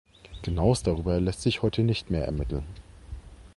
Genaues darüber lässt sich heute nicht mehr ermitteln.